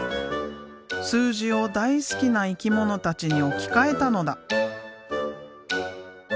数字を大好きな生き物たちに置き換えたのだ。